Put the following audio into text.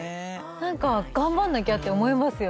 何か頑張んなきゃって思いますよね。